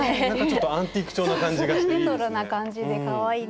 アンティーク調な感じがしていいですね。